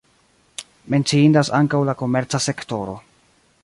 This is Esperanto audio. Menciindas ankaŭ la komerca sektoro.